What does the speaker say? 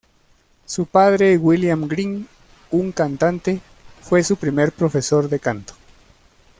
Su padre, William Green, un cantante, fue su primer profesor de canto.